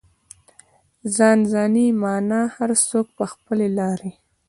ځان ځاني مانا هر څوک په خپلې لارې.